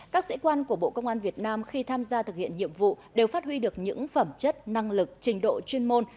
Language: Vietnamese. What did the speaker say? các sĩ quan của bộ công an việt nam khi tham gia thực hiện nhiệm vụ đều phát huy được những phẩm chất năng lực trình độ chuyên môn